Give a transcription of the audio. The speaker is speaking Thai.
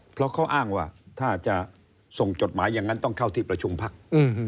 เพราะเขาอ้างว่าถ้าจะส่งจดหมายอย่างนั้นต้องเข้าที่ประชุมพัก